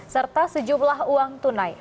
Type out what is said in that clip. serta sejumlah uang tunai